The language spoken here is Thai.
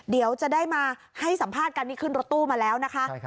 เดี๋ยวจะได้มาให้สัมภาษณ์กันนี่ขึ้นรถตู้มาแล้วนะคะ